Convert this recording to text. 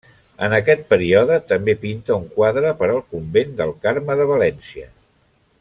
En aquest període també pinta un quadre per al convent del Carme de València.